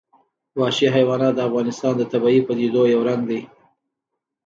وحشي حیوانات د افغانستان د طبیعي پدیدو یو رنګ دی.